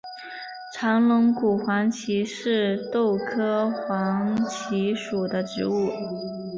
长龙骨黄耆是豆科黄芪属的植物。